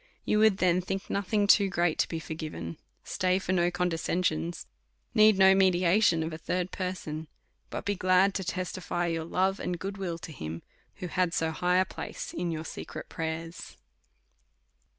You would then think nothing too great to be forgiven, stay for no condescensions. 304 A SERIOUS CALL TO A need no mediation of a third person, but be glad to testify your love and good will to him, who had so high a place in your secret prayers.